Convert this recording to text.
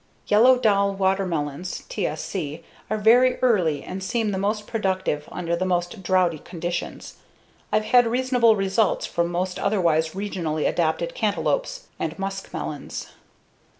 Yellow Doll watermelons (TSC) are very early and seem the most productive under the most droughty conditions. I've had reasonable results from most otherwise regionally adapted cantaloupes and muskmelons.